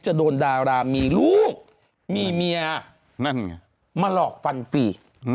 จะโดนดารามีลูกมีเมียนั่นไงมาหลอกฟันฟรี